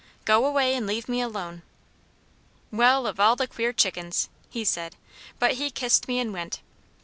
"Go away and leave me alone." "Well of all the queer chickens!" he said, but he kissed me and went.